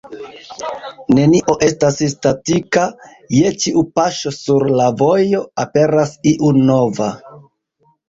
Nenio estas statika, je ĉiu paŝo sur la vojo aperas iu nova.